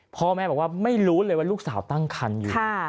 พ่อแม่บอกว่าไม่รู้เลยว่าลูกสาวตั้งคันอยู่